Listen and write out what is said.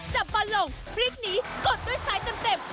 จับบอลลงพลิกหนีกดด้วยซ้ายเต็ม